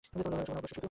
শুভ নববর্ষ, শুটু!